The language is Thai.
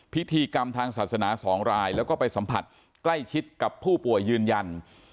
พิธีกรรมทางศาสนา๒รายแล้วก็ไปสัมผัสใกล้ชิดกับผู้ป่วยยืนยัน